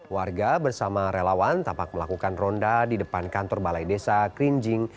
warga bersama relawan tapak melakukan ronda di depan kantor balai desa krinjing